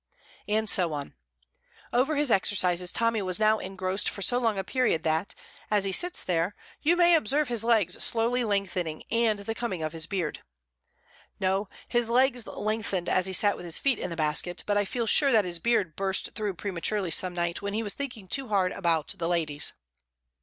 And so on. Over his exercises Tommy was now engrossed for so long a period that, as he sits there, you may observe his legs slowly lengthening and the coming of his beard. No, his legs lengthened as he sat with his feet in the basket; but I feel sure that his beard burst through prematurely some night when he was thinking too hard about the ladies.